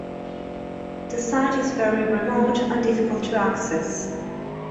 The site is very remote and difficult to access.